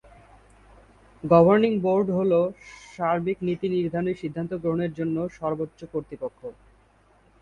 Governing board হল সার্বিক নীতি নির্ধারণী সিদ্ধান্ত গ্রহণের জন্য সর্বোচ্চ কর্তৃপক্ষ।